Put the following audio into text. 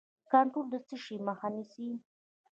کنټرول د څه شي مخه نیسي؟